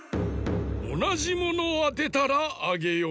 おなじものをあてたらあげよう。